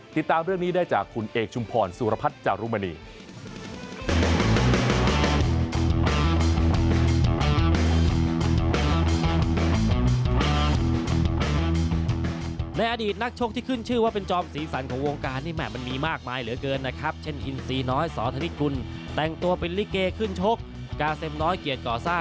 ติดตามเรื่องนี้ได้จากคุณเอกชุมพรสุรพัฒน์จารุมณี